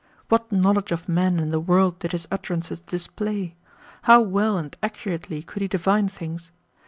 What knowledge of men and the world did his utterances display! How well and accurately could he divine things!